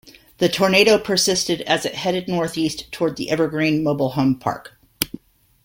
The tornado persisted as it headed northeast toward the Evergreen Mobile Home Park.